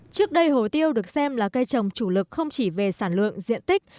trước đây hồ tiêu được xem là cây trồng chủ lực không chỉ về sản lượng diện tích